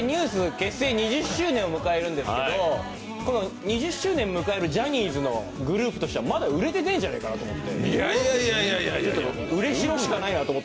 結成２０周年を迎えるんですけど、この２０周年迎えるジャニーズのグループとしては、まだ売れてねえんじゃないかなと思って。